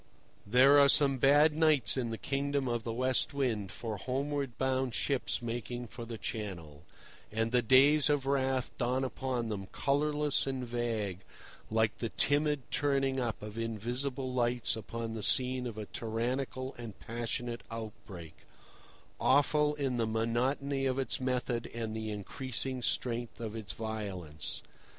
There are some bad nights in the kingdom of the West Wind for homeward bound ships making for the Channel; and the days of wrath dawn upon them colourless and vague like the timid turning up of invisible lights upon the scene of a tyrannical and passionate outbreak, awful in the monotony of its method and the increasing strength of its violence.